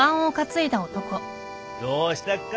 どうしたっか？